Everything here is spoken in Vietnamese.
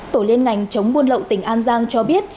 tổ liên ngành chống buôn lậu tỉnh an giang cho biết